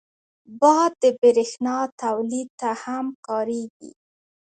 باد د بریښنا تولید ته هم کارېږي